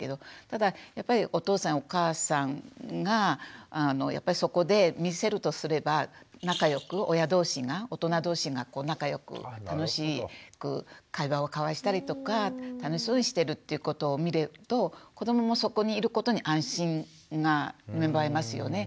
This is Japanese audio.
ただやっぱりお父さんやお母さんがそこで見せるとすれば仲良く親同士が大人同士が仲良く楽しく会話を交わしたりとか楽しそうにしてるっていうことを見ると子どももそこにいることに安心が芽生えますよね。